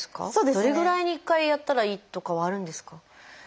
どれぐらいに１回やったらいいとかはあるんですか？